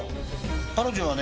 彼女はね